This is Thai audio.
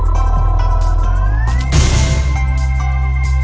โปรดติดตามต่อไป